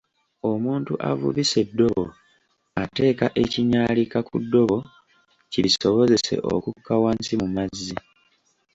Omuntu avubisa eddobo ateeka ekinyaalika ku ddobo kirisobozese okuka wansi mu mazzi .